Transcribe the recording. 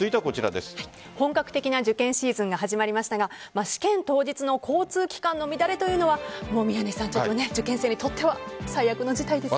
本格的な受験シーズンが始まりましたが試験当日の交通機関の乱れというのはちょっと受験生にとっては最悪の事態ですよね。